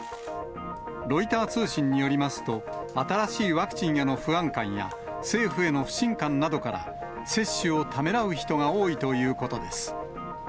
ロイター通信によりますと、新しいワクチンへの不安感や政府への不信感などから、接種をためらう人が多いということです。